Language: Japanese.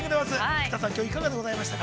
生田さん、きょういかがでございましたか。